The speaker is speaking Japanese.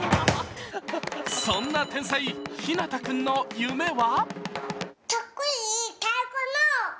そんな天才・ひなた君の夢は？